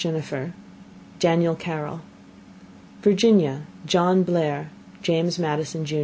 Jenifer Danl Carroll Virginia John Blair James Madison Jr.